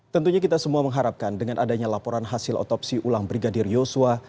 tentunya kita semua mengharapkan dengan adanya laporan hasil otopsi ulang brigadir yosua